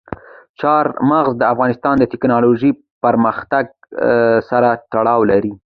چار مغز د افغانستان د تکنالوژۍ پرمختګ سره تړاو لري.